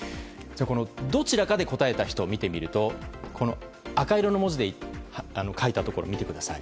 どちらかで答えた人を見てみると赤色の文字で書いたところを見てください。